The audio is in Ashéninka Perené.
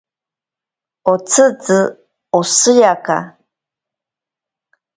Otsitzi oshiaka.